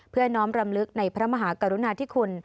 เพื่อน้อมรำลึกในพระมหากรุณาธิคุณ